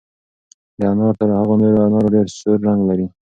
دا انار تر هغو نورو انارو ډېر سور رنګ لري.